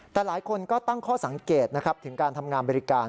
แต่หลายคนก็ตั้งข้อสังเกตนะครับถึงการทำงานบริการ